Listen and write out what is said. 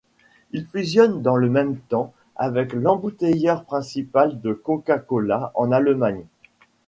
Il fusionne dans le même temps avec l'embouiteilleur principal de Coca Cola en Allemagne.